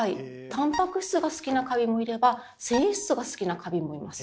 タンパク質が好きなカビもいれば繊維質が好きなカビもいます。